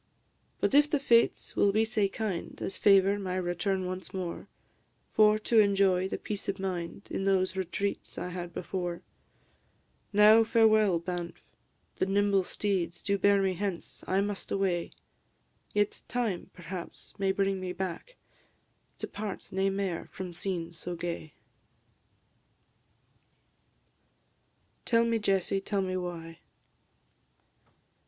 But if the Fates will be sae kind As favour my return once more, For to enjoy the peace of mind In those retreats I had before: Now, farewell, Banff! the nimble steeds Do bear me hence I must away; Yet time, perhaps, may bring me back, To part nae mair from scenes so gay. TELL ME, JESSIE, TELL ME WHY?